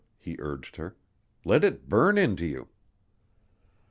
he urged her. "Let it burn into you."